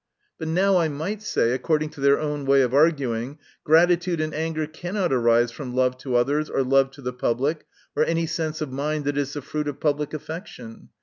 But now I might say, accord ing to their own way of arguing, gratitude and anger cannot arise from love to others, or love to the public, or any sense of mind that is the fruit of public af fection.